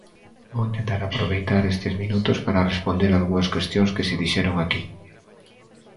Vou intentar aproveitar estes minutos para responder algunhas cuestións que se dixeron aquí.